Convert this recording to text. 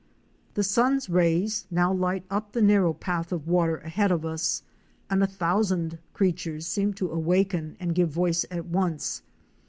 The sun's rays now light up the narrow path of water ahead of us, and a thousand creatures seem to awaken and give voice at once.